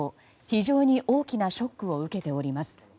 非常に大きなショックを受けております。